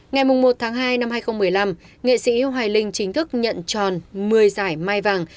ngày một tháng hai năm hai nghìn một mươi năm nghệ sĩ hoài linh chính thức nhận tròn một mươi giải mai vàng